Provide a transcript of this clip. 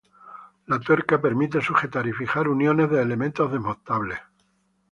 La tuerca permite sujetar y fijar uniones de elementos desmontables.